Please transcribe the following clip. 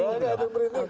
enggak ada yang merinding